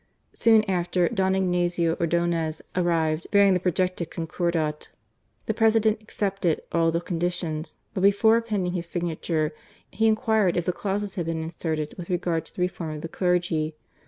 Soon after, Don Ignazio Ordonez arrived bearing the projected Concordat. The President accepted all the conditions; but before appending his signature, he inquired if the clauses had been inserted with regard to the reform of the clergy.